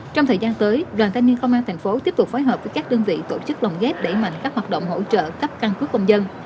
trong thời gian tới đoàn thanh niên công an thành phố tiếp tục phối hợp với các đơn vị tổ chức lồng ghép đẩy mạnh các hoạt động hỗ trợ cấp căn cước công dân